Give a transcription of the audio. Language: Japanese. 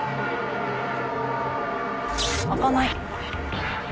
開かない。